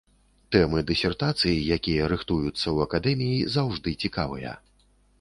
Тэмы дысертацый, якія рыхтуюцца ў акадэміі, заўжды цікавыя.